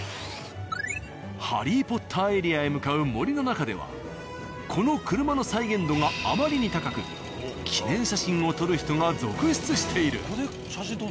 ハリーポッターエリアへ向かう森の中ではこの車の再現度があまりに高く記念写真を撮る人が続出している。